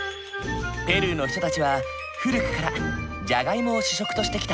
ペルーの人たちは古くからじゃがいもを主食としてきた。